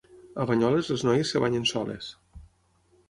A Banyoles les noies es banyen soles.